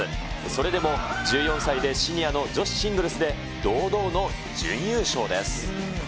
それでも１４歳でシニアの女子シングルスで、堂々の準優勝です。